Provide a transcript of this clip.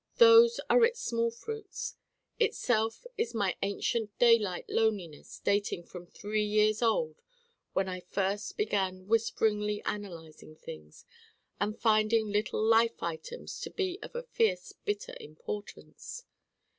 Those are its small fruits. Itself is my ancient daylight Loneliness dating from Three Years Old when I first began whisperingly analyzing things and finding little life items to be of a fierce bitter importance.